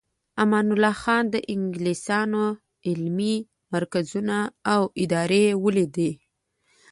امان الله خان د انګلیسانو علمي مرکزونه او ادارې ولیدې.